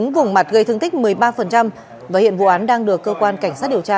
và hiện vụ án đang được cơ quan cảnh sát điều tra